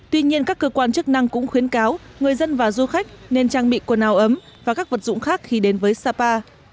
tuy nhiên các cơ quan chức năng cũng khuyến cáo người dân và du khách nên trang bị quần áo ấm và các vật dụng khác khi đến với sapa